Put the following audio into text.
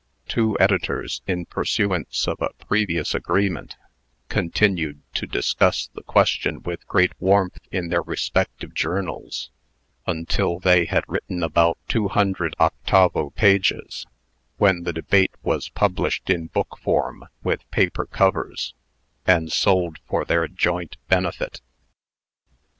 Two editors, in pursuance of a previous agreement, continued to discuss the question with great warmth in their respective journals, until they had written about two hundred octavo pages, when the debate was published in book form, with paper covers, and sold for their joint benefit.